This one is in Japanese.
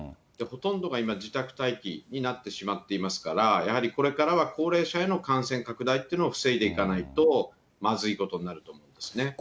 ほとんどが今、自宅待機になってしまっていますから、やはりこれからは高齢者への感染拡大というのを防いでいかないと、まずいことになると思いますね。